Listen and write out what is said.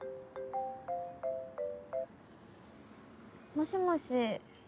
もしもし？